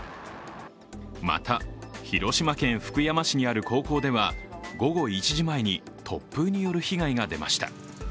また、広島県福山市にある高校では午後１時前に突風による被害が出ました。